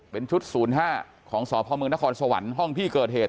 เป็นชุดศูนย์ห้าของสพเมืองนครสวรรค์ห้องพี่เกิดเหตุ